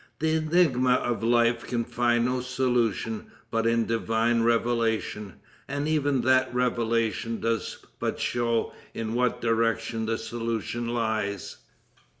The enigma of life can find no solution but in divine revelation and even that revelation does but show in what direction the solution lies.